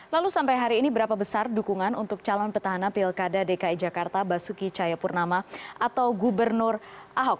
lalu sampai hari ini berapa besar dukungan untuk calon petahana pilkada dki jakarta basuki cayapurnama atau gubernur ahok